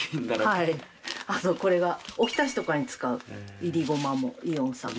関根さん：あと、これがおひたしとかに使ういりごまもイオンさんの。